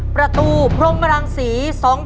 ประตูพรมรังสี๒๕๐๗